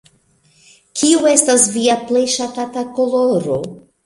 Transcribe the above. Kiu estas via plej ŝatata koloro?